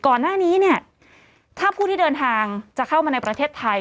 ก่อนหน้านี้เนี่ยถ้าผู้ที่เดินทางจะเข้ามาในประเทศไทย